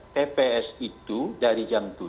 tps itu dari jam tujuh